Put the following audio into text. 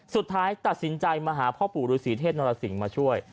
สุดท้ายตัดสินใจมาหาพ่อปู่ฤษีเทศนรสิงห์มาช่วย